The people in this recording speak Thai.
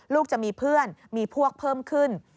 ลูกจะมีเพื่อนมีพวกเพิ่มขึ้น